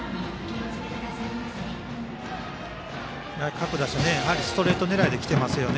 各打者、ストレート狙いできていますよね